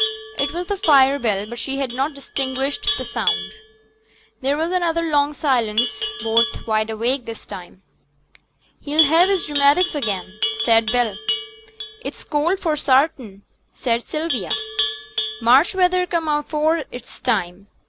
It was the fire bell, but she had not distinguished the sound. There was another long silence; both wide awake this time. 'He'll have his rheumatics again,' said Bell. 'It's cold for sartin,' said Sylvia. 'March weather come afore its time.